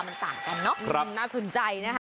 มันต่างกันเนอะน่าสนใจนะคะ